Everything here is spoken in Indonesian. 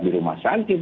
di rumah sakit